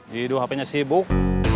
jiduh hpnya sibuk